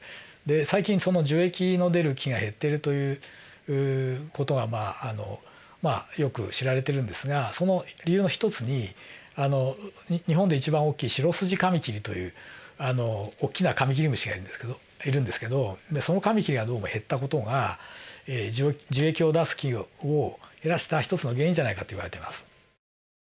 最近樹液の出る木が減っているという事がまあよく知られてるんですがその理由の一つに日本で一番大きいシロスジカミキリというおっきなカミキリムシがいるんですけどそのカミキリがどうも減った事が樹液を出す木を減らした一つの原因じゃないかといわれてます。